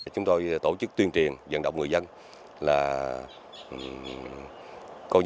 chúng tôi tổ chức tuyên truyền dân động người dân là